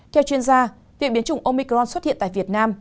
theo chuyên gia viện biến chủng omicron xuất hiện tại việt nam